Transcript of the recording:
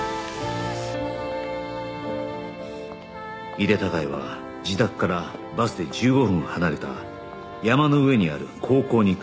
井手孝也は自宅からバスで１５分離れた山の上にある高校に通っていた